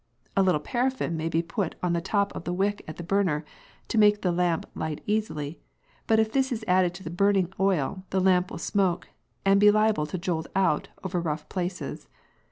A little paraffin may be put on the top of the wick at the burner, to make the lamp light easily, but if this is added to the burning oil, the lamp will smoke, and be liable to jolt out over rough places.